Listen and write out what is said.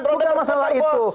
bukan masalah itu